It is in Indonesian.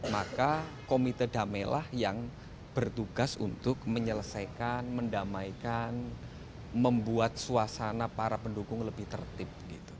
maka komite damailah yang bertugas untuk menyelesaikan mendamaikan membuat suasana para pendukung lebih tertib